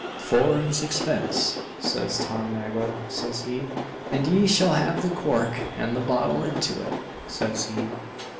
'Four and sixpence,' says Tom Nagle, says he, 'and ye shall have the corck and the bottle into it,' says he.